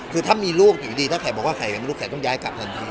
คือถ้ามีลูกอยู่ดีถ้าแขกบอกว่าแขกเป็นลูกแขกก็ต้องย้ายกลับทันทีเลย